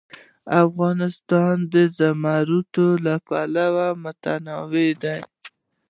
افغانستان د زمرد له پلوه متنوع دی.